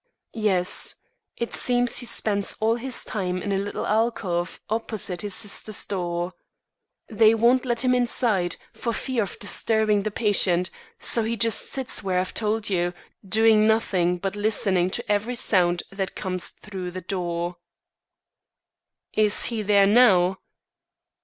"Yes. It seems he spends all his time in a little alcove opposite his sister's door. They won't let him inside, for fear of disturbing the patient; so he just sits where I've told you, doing nothing but listening to every sound that comes through the door." "Is he there now?"